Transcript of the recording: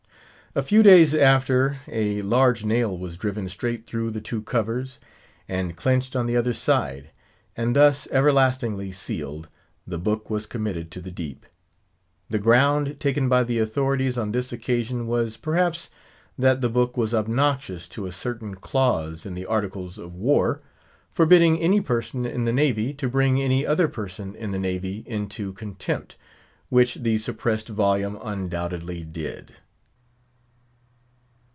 A few days after, a large nail was driven straight through the two covers, and clinched on the other side, and, thus everlastingly sealed, the book was committed to the deep. The ground taken by the authorities on this occasion was, perhaps, that the book was obnoxious to a certain clause in the Articles of War, forbidding any person in the Navy to bring any other person in the Navy into contempt, which the suppressed volume undoubtedly did.